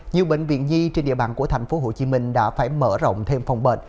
nhiều bệnh viện nhi trên địa bàn của thành phố hồ chí minh đã phải mở rộng thêm phòng bệnh